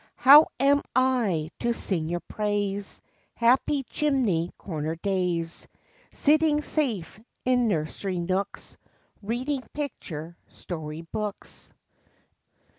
How am I to sing your praise, Happy chimney corner days, Sitting safe in nursery nooks, Reading picture story books?